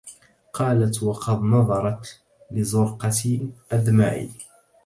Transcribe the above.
قالت وقد نظرت لزرقة أدمعي